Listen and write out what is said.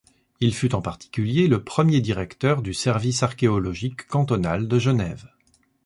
Il fut en particulier le premier directeur du service archéologique cantonal de Genève.